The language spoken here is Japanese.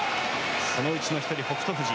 そのうちの１人北勝富士。